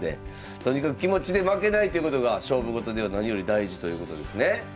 とにかく気持ちで負けないっていうことが勝負事では何より大事ということですね。